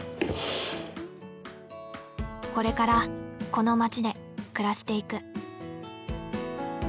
これからこの街で暮らしていく。